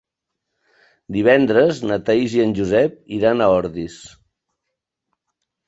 Divendres na Thaís i en Josep iran a Ordis.